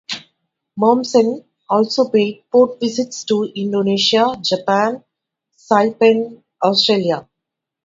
"Momsen" also paid port visits to Indonesia, Japan, Saipan, Australia.